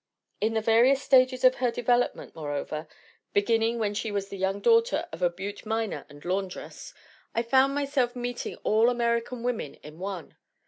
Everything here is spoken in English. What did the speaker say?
In the various stages of her development, more over beginning when she was the young daughter of a Butte rniner and laundress I found myself meet ing all American women in one.